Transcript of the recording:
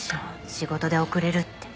仕事で遅れるって。